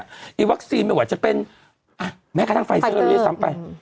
ไอวัคซีนมันจะเป็นแม้ค่ะทางไฟเซอร์เลยทั้งไป